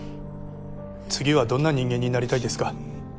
次はどんな人間になりたいですか？